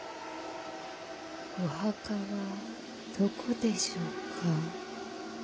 ・お墓はどこでしょうか。